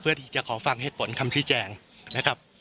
เพื่อที่จะขอฟังเหตุผลคำสิทธิ์แจงนะครับ